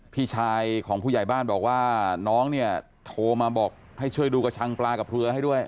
พี่ชายของผู้ใหญ่บ้านบอกว่าน้องเนี่ยโทรมาบอกให้ช่วยดูกระชังปลากับเรือให้ด้วย